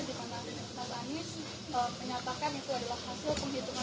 di mana mas anies menyatakan itu adalah hasil penghitungan pak ibu dan juga keinginan rakyat dari kedua